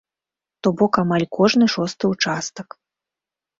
То бок амаль кожны шосты участак.